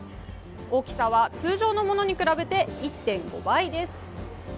大きさは通常のものと比べて１．５倍です。